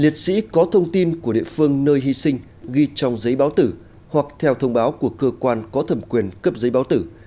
liệt sĩ có thông tin của địa phương nơi hy sinh ghi trong giấy báo tử hoặc theo thông báo của cơ quan có thẩm quyền cấp giấy báo tử